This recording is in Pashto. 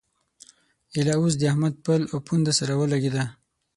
ايله اوس د احمد پل او پونده سره ولګېده.